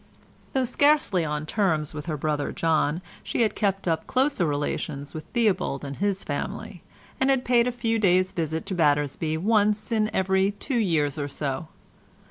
Though scarcely on terms with her brother John, she had kept up closer relations with Theobald and his family, and had paid a few days' visit to Battersby once in every two years or so.